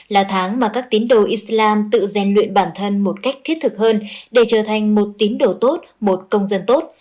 là tháng mà các tín đồ islam tự rèn luyện bản thân một cách thiết thực hơn để trở thành một tín đồ tốt một công dân tốt